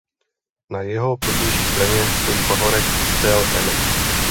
Na jeho protější straně stojí pahorek Tel Emek.